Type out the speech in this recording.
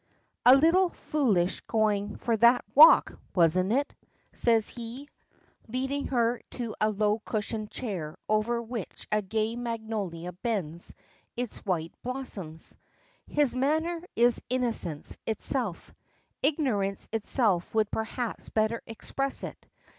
"A little foolish going for that walk, wasn't it?" says he, leading her to a low cushioned chair over which a gay magnolia bends its white blossoms. His manner is innocence itself; ignorance itself would perhaps better express it.